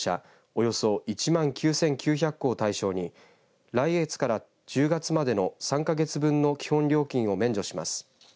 およそ１万９９００戸を対象に来月から１０月までの３か月分の基本料金を免除します。